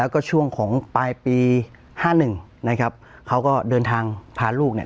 แล้วก็ช่วงของปลายปีห้าหนึ่งนะครับเขาก็เดินทางพาลูกเนี่ย